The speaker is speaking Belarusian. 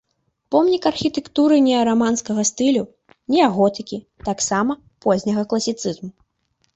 Помнік архітэктуры неараманскага стылю, неаготыкі, таксама позняга класіцызму.